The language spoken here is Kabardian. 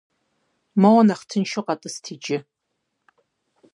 Моуэ нэхъ тыншу къэтӏысыт иджы.